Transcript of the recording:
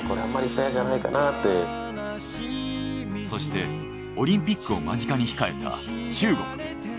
そしてオリンピックを間近に控えた中国。